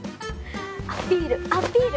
アピールアピール！